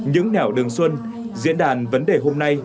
những nẻo đường xuân diễn đàn vấn đề hôm nay